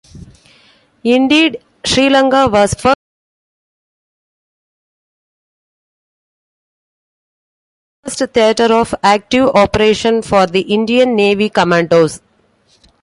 Indeed, Sri Lanka was first theatre of active operation for the Indian Navy Commandos.